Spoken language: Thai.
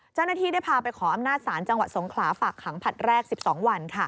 เจ้าหน้าที่ได้พาไปขออำนาจศาลจังหวัดสงขลาฝากขังผลัดแรก๑๒วัน